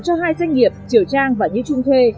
cho hai doanh nghiệp triều trang và như trung thuê